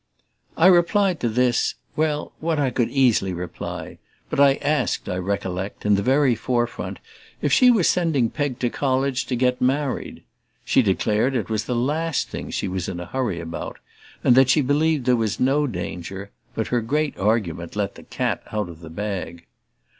I replied to this well, what I could easily reply; but I asked, I recollect, in the very forefront, if she were sending Peg to college to get married. She declared it was the last thing she was in a hurry about, and that she believed there was no danger, but her great argument let the cat out of the bag.